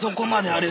あれ？